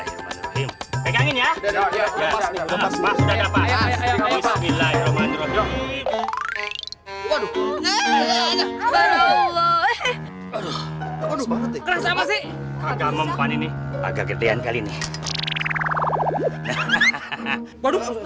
eh sudah udah perempuan jangan ngeliat perempuan pada merem pada merem